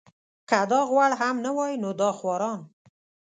که دا غوړ هم نه وای نو دا خواران.